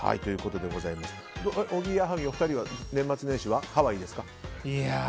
おぎやはぎのお二人は年末年始はハワイですか？